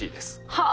はあ。